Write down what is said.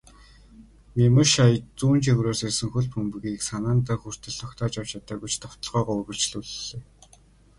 Мемушай зүүн жигүүрээс ирсэн бөмбөгийг санаандаа хүртэл тогтоож авч чадаагүй ч довтолгоогоо үргэлжлүүллээ.